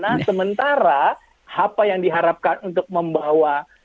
nah sementara apa yang diharapkan untuk membawa